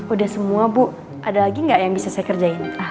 udah semua bu ada lagi nggak yang bisa saya kerjain